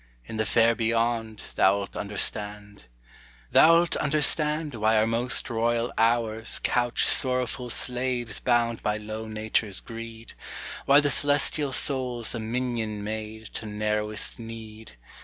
In the fair beyond Thou'lt understand. Thou'lt understand why our most royal hours Couch sorrowful slaves bound by low nature's greed; Why the celestial soul's a minion made To narrowest need.